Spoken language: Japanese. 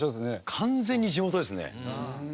完全に地元ですね。